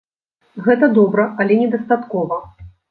Гэта добра, але недастаткова!